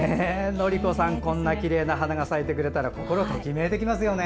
典子さん、こんなきれいな花が咲いてくれたら心がときめいてきますよね。